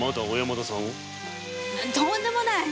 とんでもない！